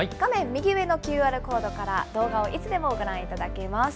右上のＱＲコードから動画をいつでもご覧いただけます。